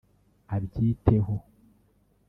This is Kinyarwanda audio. abyiteho